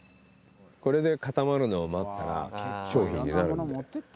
これで固まるのを待ったら、商品になるので。